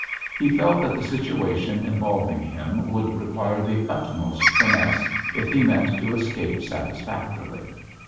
He felt that the situation involving him would require the utmost finesse, if he meant to escape satisfactorily.